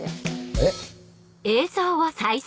えっ？